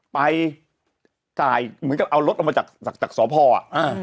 ไปจ่ายเหมือนกับเอารถออกมาจากจากสพอ่ะอ่า